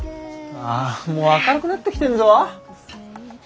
あもう明るくなってきてんぞ。